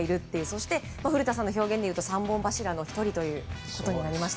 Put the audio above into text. そして、古田さんの表現ですと三本柱の１人ということになりました。